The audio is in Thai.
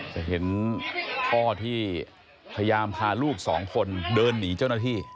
จะเห็นพ่อที่พยายามพาลูกสองคนเดินหนีเจ้าหน้าที่